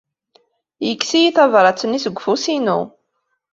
Yekkes-iyi tabṛat-nni seg ufus-inu.